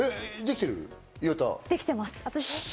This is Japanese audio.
できています。